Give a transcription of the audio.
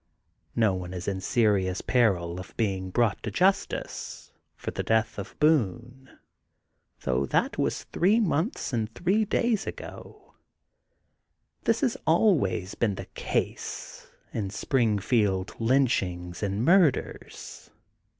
No one is in serious peril of being brought to justice for the death of Boone, though that was three months and three days ago. This has always been, the case, in Springfield lynchings and murders.